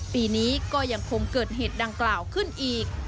ปีนี้ก็ยังคงเกิดเหตุดังกล่าวขึ้นอีก